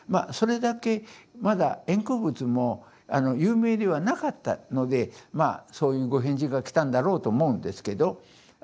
それだけまだ円空仏も有名ではなかったのでそういうご返事が来たんだろうと思うんですけど。